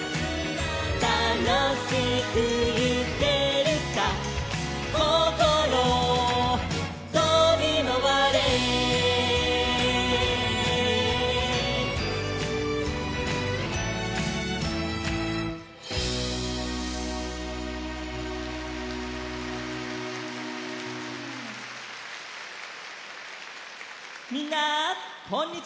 「たのしくいけるさ」「こころとびまわれ」みんなこんにちは！